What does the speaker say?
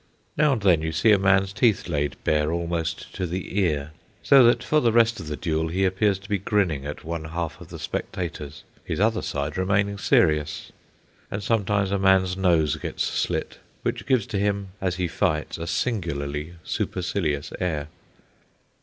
Now and then you see a man's teeth laid bare almost to the ear, so that for the rest of the duel he appears to be grinning at one half of the spectators, his other side, remaining serious; and sometimes a man's nose gets slit, which gives to him as he fights a singularly supercilious air.